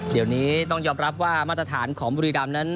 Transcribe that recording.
เดี๋ยวนี้ต้องยอมรับว่ามาตรฐานของบุรีดำนั้น